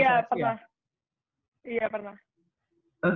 iya pernah iya pernah